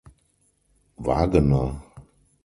Wagener.